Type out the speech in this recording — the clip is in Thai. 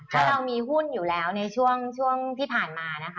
ถ้าเรามีหุ้นอยู่แล้วในช่วงที่ผ่านมานะคะ